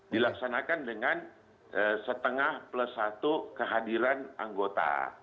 dilaksanakan dengan setengah plus satu kehadiran anggota